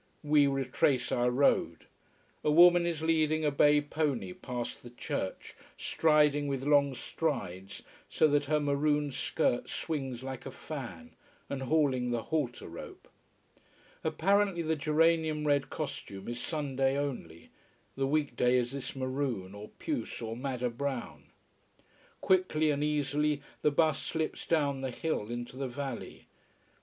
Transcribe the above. We retrace our road. A woman is leading a bay pony past the church, striding with long strides, so that her maroon skirt swings like a fan, and hauling the halter rope. Apparently the geranium red costume is Sunday only, the week day is this maroon, or puce, or madder brown. Quickly and easily the bus slips down the hill into the valley.